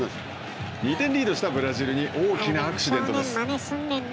２点リードしたブラジルに大きなアクシデントです。